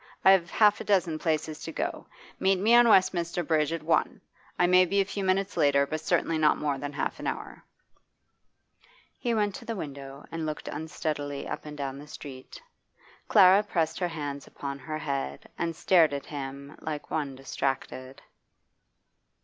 I've half a dozen places to go to. Meet me on Westminster Bridge at one. I may be a few minutes later, but certainly not more than half an hour.' He went to the window and looked uneasily up and down the street. Clara pressed her hands upon her head and stared at him like one distracted.